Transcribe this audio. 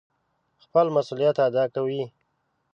خپل مسئوليت اداء کوي.